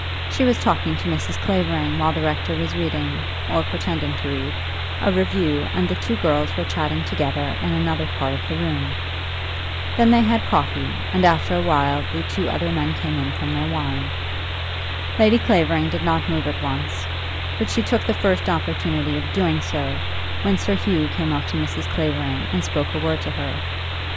She was talking to Mrs. Clavering while the rector was reading, or pretending to read, a review, and the two girls were chattering together in another part of the room. Then they had coffee, and after awhile the two other men came in from their wine. Lady Clavering did not move at once, but she took the first opportunity of doing so, when Sir Hugh came up to Mrs. Clavering and spoke a word to her.